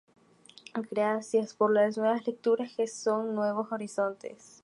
Gracias por las nuevas lecturas, que son nuevos horizontes.